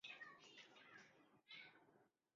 穿孔瘤胸蛛为皿蛛科瘤胸蛛属的动物。